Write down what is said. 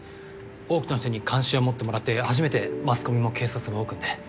多くの人に関心を持ってもらって初めてマスコミも警察も動くんで。